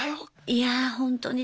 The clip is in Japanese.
いやほんとに。